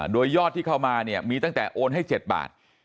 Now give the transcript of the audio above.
โดยยอดที่เข้ามาเนี่ยมีตั้งแต่โอนให้๗บาท